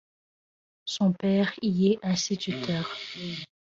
Son père y est instituteur.